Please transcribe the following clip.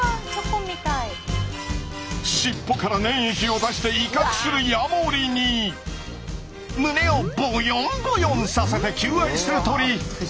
尻尾から粘液を出して威嚇するヤモリに胸をボヨンボヨンさせて求愛する鳥！